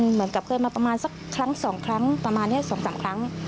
เหมือนกับเคยมาประมาณสักครั้ง๒๓ครั้ง